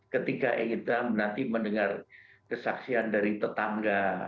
ketika kita nanti mendengar kesaksian dari tetangga